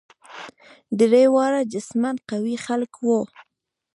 درې واړه جسما قوي خلک وه.